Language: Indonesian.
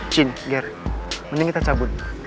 chin ger mending kita cabut